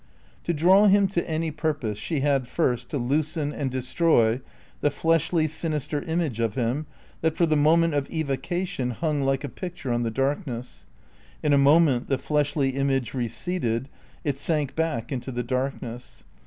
To draw him to any purpose she had first to loosen and destroy the fleshly, sinister image of him that, for the moment of evocation, hung like a picture on the darkness. In a moment the fleshly image receded, it sank back into the darkness.